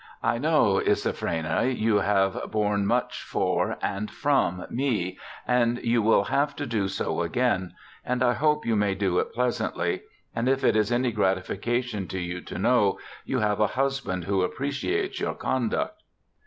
I know, Isaphaena, you have B 3 4 BIOGRAPHICAL ESSAYS borne much for and from me, and you will have to do so again, and I hope you may do it pleasantly ; and if it is any gratification to you to know, you have a husband who appreciates your conduct.'